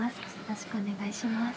よろしくお願いします